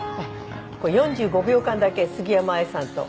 これ４５秒間だけ杉山愛さんと。